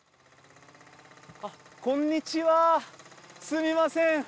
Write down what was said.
こんにちはすみません。